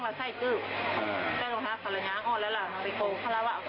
อำมาตย์ตาเทงมากแล้วว่ะ